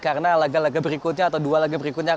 karena laga laga berikutnya atau dua laga berikutnya